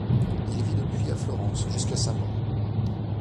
Il vit depuis à Florence jusqu'à sa mort.